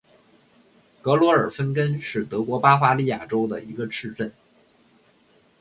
格罗尔芬根是德国巴伐利亚州的一个市镇。